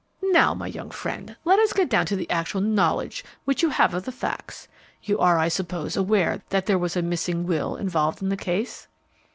"Now, my young friend, let us get down to the actual knowledge which you have of the facts. You are, I suppose, aware that there was a missing will involved in the case?"